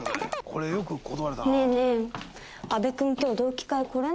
これよく断れたな。